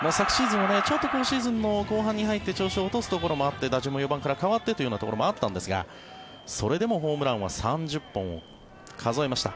昨シーズンは後半に入って調子を落とすところがあって打順も４番から変わってというようなところもあったんですがそれでもホームランは３０本を数えました。